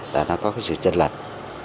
là nó có sự tranh lệch